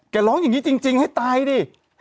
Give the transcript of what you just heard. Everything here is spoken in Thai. ร้องอย่างนี้จริงให้ตายดิ